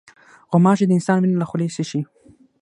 غوماشې د انسان وینه له خولې څښي.